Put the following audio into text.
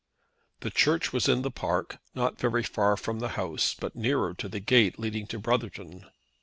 The Church was in the park, not very far from the house, but nearer to the gate leading to Brotherton.